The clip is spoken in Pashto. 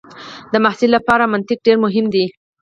د محصل لپاره منطق ډېر مهم دی.